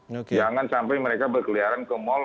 jangan sampai mereka berkeliaran ke mal